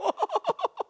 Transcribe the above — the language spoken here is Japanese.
ハッハハ。